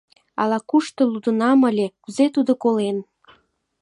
— Ала-кушто лудынам ыле, кузе Тудо колен.